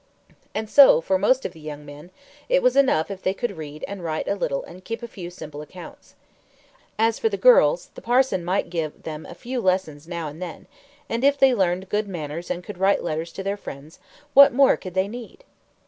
And so, for most of the young men, it was enough if they could read and write a little and keep a few simple accounts. As for the girls, the parson might give them a few lessons now and then; and if they learned good manners and could write letters to their friends, what more could they need?